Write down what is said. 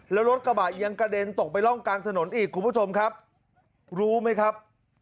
แล้วรถกระบะยังกระเด็นตกไปร่องกลางถนนอีกคุณผู้ชมครับรู้ไหมครับ